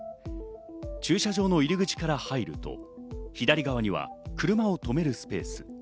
駐車場の入口から入ると左側には車を止めるスペース。